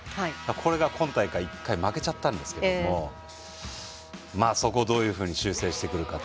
これが、今大会１回負けちゃったんですけれどもそこをどういうふうに修正してくるかと。